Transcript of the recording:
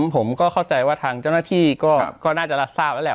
ผมก็เข้าใจว่าทางเจ้าหน้าที่ก็น่าจะรับทราบแล้วแหละ